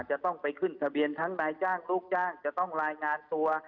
จะต้องไปขึ้นทะเบียนทั้งนายจ้างลูกจ้างจะต้องรายงานตัว